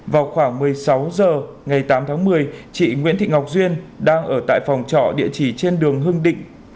vào khoảng một mươi sáu h ngày tám tháng một mươi chị nguyễn thị ngọc duyên đang ở tại phòng trọ địa chỉ trên đường hưng định